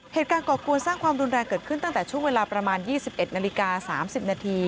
ก่อกวนสร้างความรุนแรงเกิดขึ้นตั้งแต่ช่วงเวลาประมาณ๒๑นาฬิกา๓๐นาที